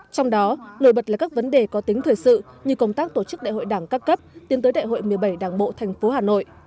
trong đó nổi bật là các vấn đề có tính thời sự như công tác tổ chức đại hội đảng các cấp tiến tới đại hội một mươi bảy đảng bộ thành phố hà nội